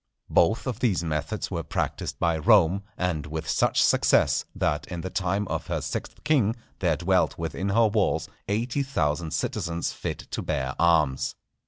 Both of these methods were practised by Rome, and with such success, that in the time of her sixth king there dwelt within her walls eighty thousand citizens fit to bear arms.